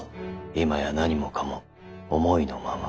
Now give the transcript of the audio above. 今や何もかも思いのまま。